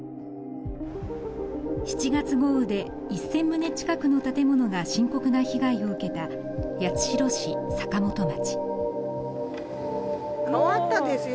７月豪雨で１，０００棟近くの建物が深刻な被害を受けた八代市坂本町。